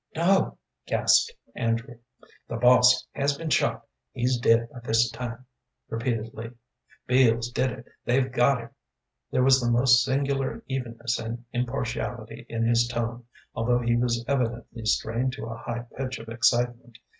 "No," gasped Andrew. "The boss has been shot; he's dead by this time," repeated Lee. "Beals did it; they've got him." There was the most singular evenness and impartiality in his tone, although he was evidently strained to a high pitch of excitement.